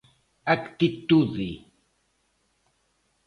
Actitude.